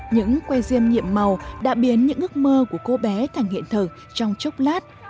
những quay riêng nhiệm màu đã biến những ước mơ của cô bé thành hiện thực trong chốc lát